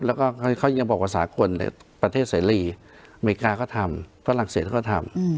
แล้วก็เขายังบอกว่าสากลประเทศเสรีอเมริกาก็ทำฝรั่งเศสก็ทำ